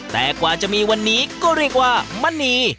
แต่กว่าจะมีวันนี้ก็เรียกว่ามณี